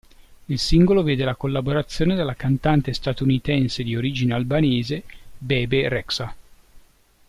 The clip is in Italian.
Il singolo vede la collaborazione della cantante statunitense di origine albanese Bebe Rexha.